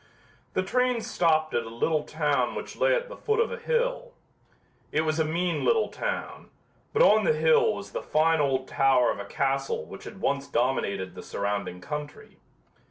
The trains stopped at a little town which lay at the foot of a hill. It was a mean little town, but on the hill was the fine old tower of a castle which had once dominated the surrounding country.